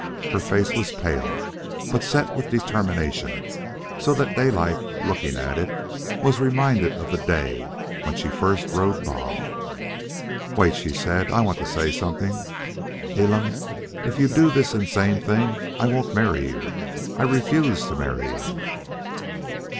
Her face was pale, but set with determination, so that Daylight, looking at it, was reminded of the day when she first rode Bob. "Wait," she said. "I want to say something. Elam, if you do this insane thing, I won't marry you. I refuse to marry you."